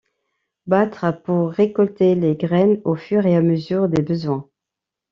Battre pour récolter les graines au fur et à mesure des besoins.